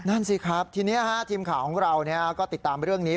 นั่นสิครับทีนี้ทีมข่าวของเราก็ติดตามเรื่องนี้